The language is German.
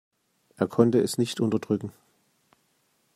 Er konnte es nicht unterdrücken.